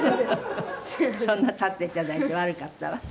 そんな立っていただいて悪かったわ。